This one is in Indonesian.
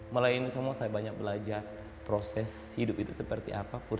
mulai ini semua saya banyak belajar proses hidup itu seperti apa